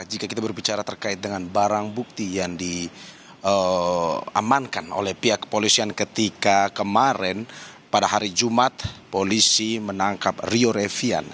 jika kita berbicara terkait dengan barang bukti yang diamankan oleh pihak kepolisian ketika kemarin pada hari jumat polisi menangkap rio revian